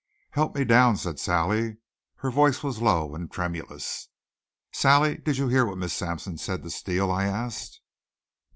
"Help me down," said Sally. Her voice was low and tremulous. "Sally, did you hear what Miss Sampson said to Steele?" I asked.